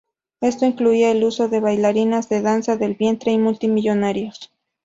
Esto incluía el uso de bailarinas de danza del vientre y multimillonarios.